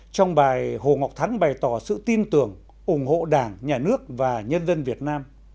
trong bài hồ ngọc thắng bày tỏ sự tin tưởng ủng hộ đảng nhà nước và nhân dân việt nam